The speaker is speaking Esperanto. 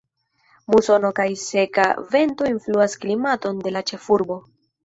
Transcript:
Musono kaj seka vento influas klimaton de la ĉefurbo.